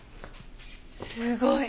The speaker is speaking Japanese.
すごい！